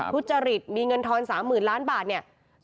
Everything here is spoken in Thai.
พุฒิจริตร์มีเงินทอน๓หมื่นล้านบาท